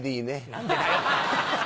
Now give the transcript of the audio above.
何でだよ！